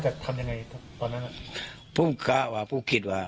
จะทำยังไงตอนนั้น